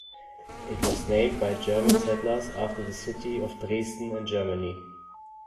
It was named by German settlers after the city of Dresden, in Germany.